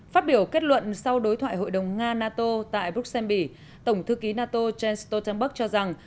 phát biểu kết luận sau đối thoại hội đồng nga nato tại bruxelles bỉ tổng thư ký nato jens stoltenberg cho rằng